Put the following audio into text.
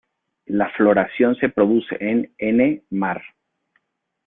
La floración se produce en ene–mar.